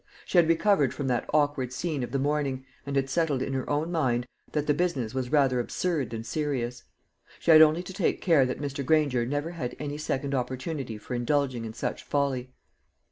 She had recovered from that awkward scene of the morning, and had settled in her own mind that the business was rather absurd than serious. She had only to take care that Mr. Granger never had any second opportunity for indulging in such folly.